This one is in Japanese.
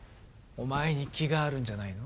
お前に気があるんじゃないの？